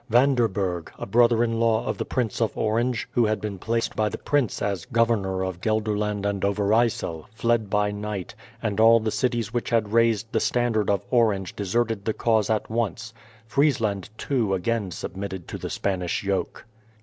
Van der Berg, a brother in law of the Prince of Orange, who had been placed by the prince as Governor of Guelderland and Overyssel, fled by night, and all the cities which had raised the standard of Orange deserted the cause at once. Friesland, too, again submitted to the Spanish yoke.